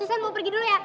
susan mau pergi dulu ya